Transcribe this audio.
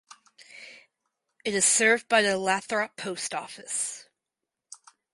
It is served by the Lathrop post office.